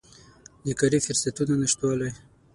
د کاري فرصتونو نشتوالی